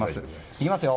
いきますよ。